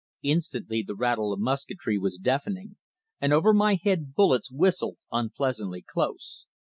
Instantly the rattle of musketry was deafening, and over my head bullets whistled unpleasantly close.